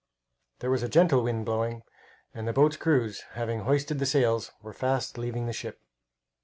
There was a gentle wind blowing, and the boats' crews, having hoisted the sails, were fast leaving the ship.